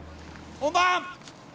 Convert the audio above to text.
・本番！